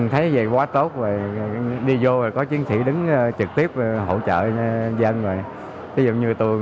thấy vậy quá tốt rồi đi vô rồi có chiến sĩ đứng trực tiếp hỗ trợ dân rồi